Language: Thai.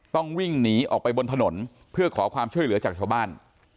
ต้องวิ่งหนีออกไปบนถนนเพื่อขอความช่วยเหลือจากชาวบ้าน